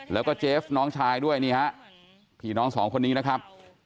แล้วก็เจฟน้องชายด้วยนี่ฮะผีน้องสองคนนี้นะครับ